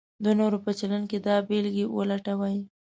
د نورو په چلند کې دا بېلګې ولټوئ: